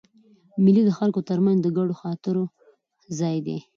مېلې د خلکو تر منځ د ګډو خاطرو ځای دئ.